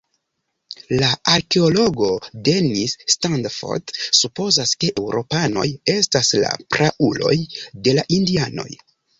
La arkeologo Dennis Stanford supozas, ke eŭropanoj estas la prauloj de la indianoj.